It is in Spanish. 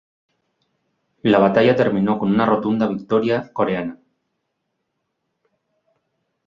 La batalla terminó con una rotunda victoria coreana.